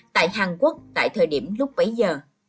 tại hàn quốc tại thời điểm lúc bấy giờ